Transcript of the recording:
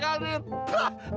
apaan tuh ini